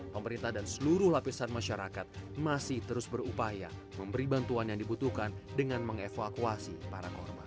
pemerintah dan seluruh lapisan masyarakat masih terus berupaya memberi bantuan yang dibutuhkan dengan mengevakuasi para korban